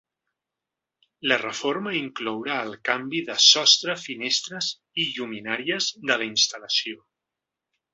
La reforma inclourà el canvi de sostre, finestres i lluminàries de la instal·lació.